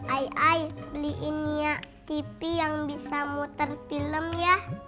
aya beliin ya tv yang bisa muter film ya